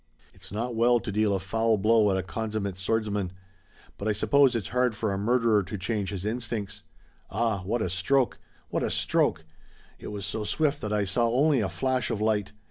It's not well to deal a foul blow at a consummate swordsman. But I suppose it's hard for a murderer to change his instincts. Ah, what a stroke! What a stroke! It was so swift that I saw only a flash of light!